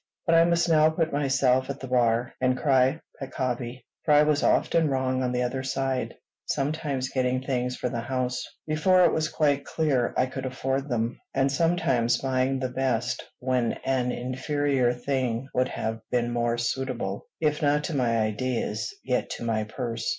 But I must now put myself at the bar, and cry Peccavi; for I was often wrong on the other side, sometimes getting things for the house before it was quite clear I could afford them, and sometimes buying the best when an inferior thing would have been more suitable, if not to my ideas, yet to my purse.